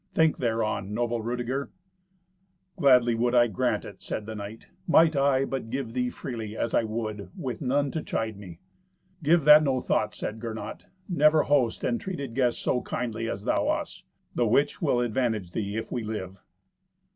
Think well thereon, noble Rudeger." "Gladly would I grant it," said the knight. "Might I but give thee freely, as I would, with none to chide me!" "Give that no thought," said Gernot. "Never host entreated guests so kindly as thou us; the which will advantage thee if we live."